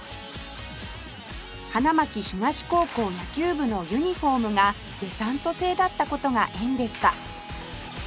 花巻東高校野球部のユニホームがデサント製だった事が縁でした